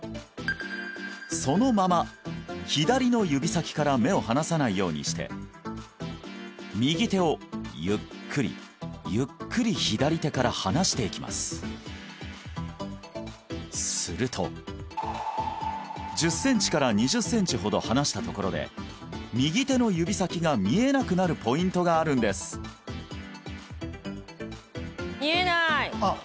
そのまま左の指先から目を離さないようにして右手をゆっくりゆっくり左手から離していきますすると１０センチから２０センチほど離したところで右手の指先が見えなくなるポイントがあるんですあっ